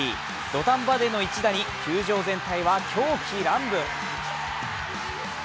土壇場での一打に球場全体は狂喜乱舞。